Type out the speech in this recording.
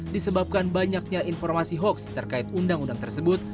disebabkan banyaknya informasi hoax terkait undang undang tersebut